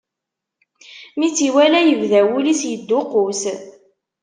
Mi tt-iwala yebda wul-is yedduqqus.